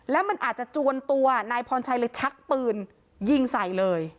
แล้วมันอาจจะจวนตัวนายพรชัยเลยชักปืนยิงใส่เลย